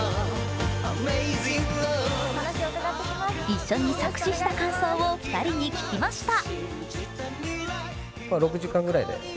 一緒に作詞した感想を２人に聞きました。